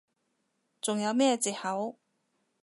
仲有咩藉口？